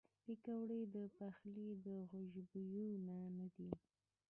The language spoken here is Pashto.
پکورې د پخلي له خوشبویو نه دي